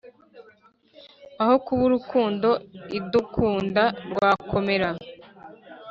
aho kuba urukundo idukunda rwakomera